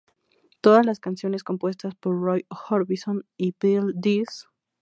Todas las canciones compuestas por Roy Orbison y Bill Dees.